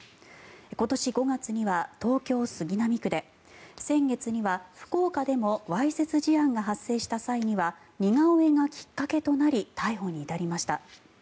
今年５月には東京・杉並区で先月には福岡でもわいせつ事案が発生した際には似顔絵がきっかけとなり逮捕に至りました。